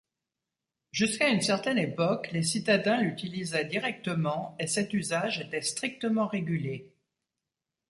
Jusqu’à une certaine époque, les citadins l’utilisaient directement et cet usage était strictement régulé.